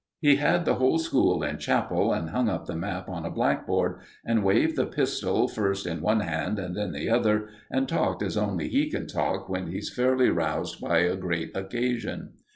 He had the whole school in chapel, and hung up the map on a blackboard, and waved the pistol first in one hand and then the other, and talked as only he can talk when he's fairly roused by a great occasion.